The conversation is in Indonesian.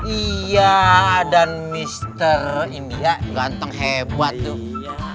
iya dan mister india ganteng hebat tuh